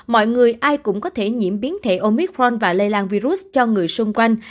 mọi người ai cũng có thể nhiễm biến thể omicron và lây lan virus cho người xung quanh